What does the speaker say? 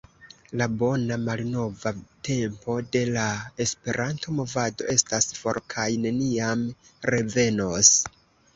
la “bona malnova tempo” de la Esperanto-movado estas for kaj neniam revenos.